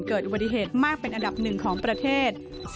เกิดอุบัติเหตุมากเป็นอันดับหนึ่งของประเทศ